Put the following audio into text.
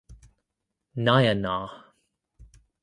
Nayanar.